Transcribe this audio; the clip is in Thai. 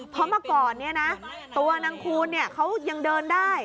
เพราะเมื่อก่อนเนี่ยนะตัวนางคูณเขายังเดินได้